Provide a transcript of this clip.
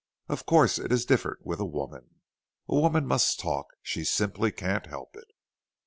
Of course it is different with a woman. A woman must talk she simply can't help it.